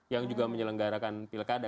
yang juga menyelenggarakan pilkada